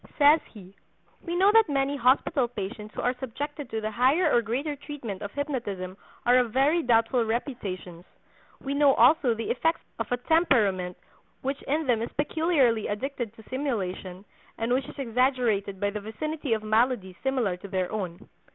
Says he: "We know that many hospital patients who are subjected to the higher or greater treatment of hypnotism are of very doubtful reputations; we know also the effects of a temperament which in them is peculiarly addicted to simulation, and which is exaggerated by the vicinity of maladies similar to their own.